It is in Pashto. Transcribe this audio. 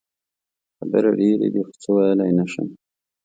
خبرې ډېرې دي خو څه ویلې نه شم.